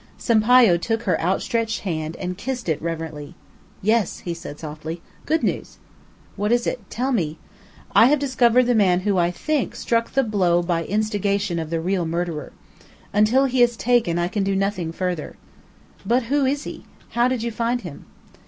Sampayo took her outstretched hand and kissed it reverently. "Yes," he said softly; "good news." "What is it? Tell me!" "I have discovered the man who, I think, struck the blow by instigation of the real murderer. Until he is taken I can do nothing further." "But who is he? How did you find him?"